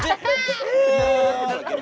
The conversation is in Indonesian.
gue enggak mesen juga ad